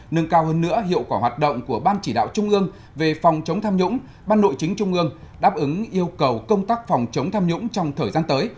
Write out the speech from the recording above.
nâng cao hơn nữa hiệu quả hoạt động của ban chỉ đạo trung ương về phòng chống tham nhũng ban nội chính trung ương đáp ứng yêu cầu công tác phòng chống tham nhũng trong thời gian tới